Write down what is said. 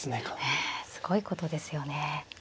ええすごいことですよね。